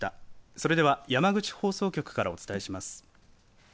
それでは山口放送局からお伝えします。